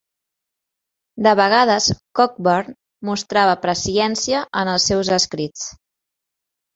De vegades Cockburn mostrava presciència en els seus escrits.